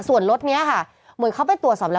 ส่วนรถนี้ค่ะเหมือนเขาไปตรวจสอบแล้ว